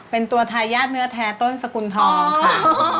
เป็นตัวทายาทเนื้อแท้ต้นสกุลทองค่ะ